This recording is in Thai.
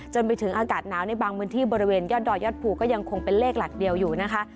ไปถึงอากาศหนาวในบางพื้นที่บริเวณยอดดอยยอดภูก็ยังคงเป็นเลขหลักเดียวอยู่นะคะ